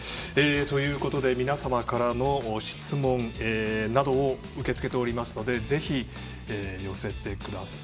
皆様からの質問などを受け付けておりますのでぜひ寄せてください。